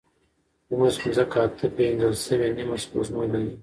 اوس ځمکه اته پېژندل شوې نیمه سپوږمۍ لري.